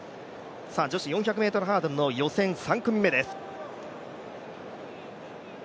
女子４００ｍハードルの予選３組目です